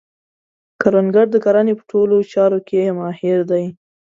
کروندګر د کرنې په ټولو چارو کې ماهر دی